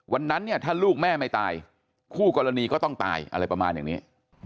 วันนั้นเนี่ยถ้าลูกแม่ไม่ตายคู่กรณีก็ต้องตายอะไรประมาณอย่างนี้